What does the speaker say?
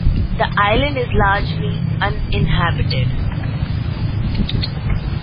The island is largely uninhabited.